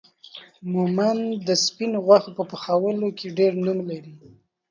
مومند دا سپينو غوښو په پخولو کې ډير نوم لري